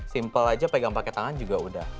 simple aja pegang pakai tangan juga udah